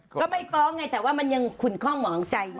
ก็ไม่ฟ้องไงแต่ว่ามันยังขุนคล่องหมองใจอยู่